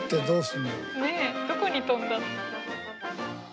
どこに飛んだの？